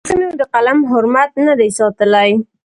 مورخينو د قلم حرمت نه دی ساتلی.